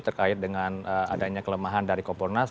terkait dengan adanya kelemahan dari kompornas